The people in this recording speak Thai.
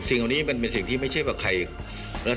สวัสดีค่ะคุณผู้ชมค่ะสิ่งที่คาดว่าอาจจะเกิดก็ได้เกิดขึ้นแล้วนะคะ